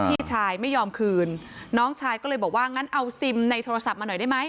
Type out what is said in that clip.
พี่ชายไม่ยอมคืนน้องชายก็เลยบอกว่างั้นเอาซิมในโทรศัพท์มาหน่อยได้ไหม